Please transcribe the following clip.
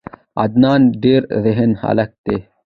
عدنان ډیر ذهین هلک ده.